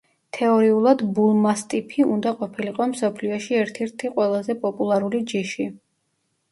თეორიულად ბულმასტიფი უნდა ყოფილიყო მსოფლიოში ერთ-ერთი ყველაზე პოპულარული ჯიში.